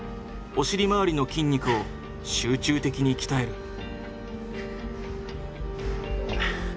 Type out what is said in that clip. お尻周りの筋肉を集中的に鍛える。